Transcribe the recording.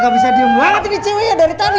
gak bisa diem banget ini ceweknya dari tadi